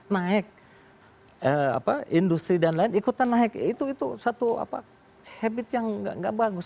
naik industri dan lain ikutan naik itu satu habit yang gak bagus